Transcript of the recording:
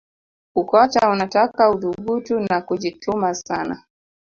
ukocha unataka uthubutu na kujituma sana